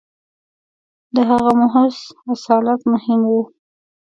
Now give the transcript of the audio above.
• د هغه محض اصالت مهم و.